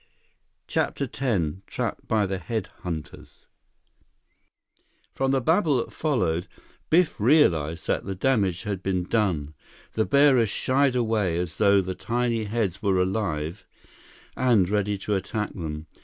CHAPTER X Trapped by the Head hunters From the babble that followed, Biff realized that the damage had been done. The bearers shied away as though the tiny heads were alive and ready to attack them.